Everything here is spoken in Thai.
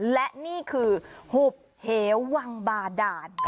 และนี่คือหุบเหววังบาดาน